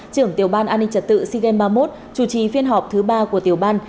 trưởng tiểu ban an ninh trật tự sea games ba mươi một chủ trì phiên họp thứ ba của tiểu ban